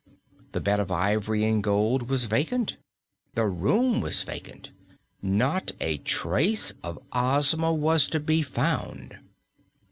The bed of ivory and gold was vacant; the room was vacant; not a trace of Ozma was to be found.